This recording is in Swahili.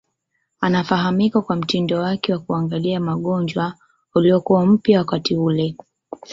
Anafahamika kwa mtindo wake wa kuangalia magonjwa uliokuwa mpya wakati ule.